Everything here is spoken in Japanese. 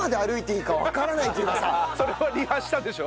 それはリハしたでしょ？